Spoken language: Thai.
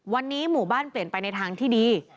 วันนี้หมู่บ้านเปลี่ยนไปในทางที่ดี